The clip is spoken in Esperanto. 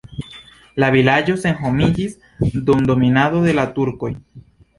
La vilaĝo senhomiĝis dum dominado de la turkoj.